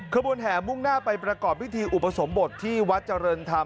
ขบวนแห่มุ่งหน้าไปประกอบพิธีอุปสมบทที่วัดเจริญธรรม